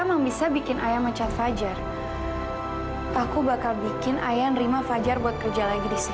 memang bisa bikin ayah mecat fajar aku bakal bikin ayah nerima fajar buat kerja lagi di sini